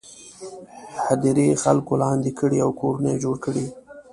هدیرې خلکو لاندې کړي او کورونه یې جوړ کړي.